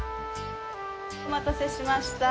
お待たせしました。